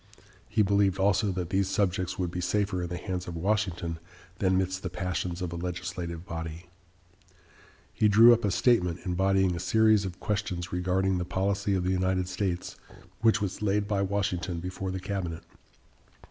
He believed also that these subjects would be safer in the hands of Washington than midst the passions of a legislative body. He drew up a statement, embodying a series of questions regarding the policy of the United States, which was laid by Washington before the cabinet.